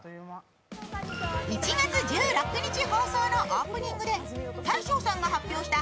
１月１６日放送のオープニングで大昇さんが発表した